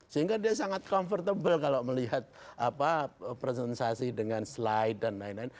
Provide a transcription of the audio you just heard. sehingga dia sangat comfortable kalau melihat presentasi dengan slide dan lain lain